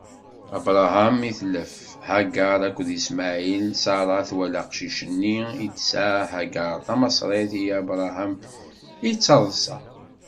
Abṛaham itlef, Hagaṛ akked Ismaɛil, Ṣara twala aqcic-nni i d-tesɛa Hagaṛ tamaṣrit i Abṛaham, ittaḍṣa.